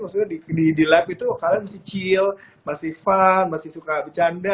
maksudnya di lab itu kalian masih chill masih fun masih suka bercanda